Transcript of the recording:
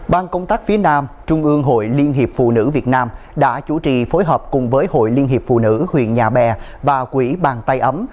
ban công tác phía nam trung ương hội liên hiệp phụ nữ việt nam đã chủ trì phối hợp cùng với hội liên hiệp phụ nữ huyện nhà bè và quỹ bàn tay ấm